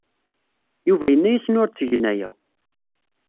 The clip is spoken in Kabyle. Yuba yenna-asen ur ttgen aya.